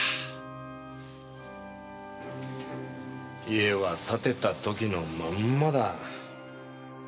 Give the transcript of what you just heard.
家は建てた時のまんまだ。